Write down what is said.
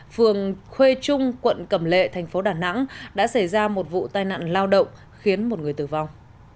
phường khuê trung quận cẩm lệ thành phố đà nẵng đã xảy ra một vụ tai nạn lao động khiến một người tử vong